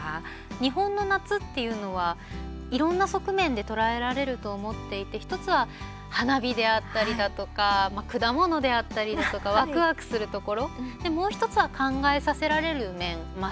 日本の夏っていうのはいろんな側面で捉えられると思っていて１つは花火であったりだとか果物であったりだとかわくわくするところもう１つは考えさせられる面まあ